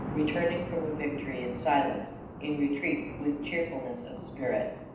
« returning from a victory (in) silence ... in retreat (with) cheerfulness of spirit."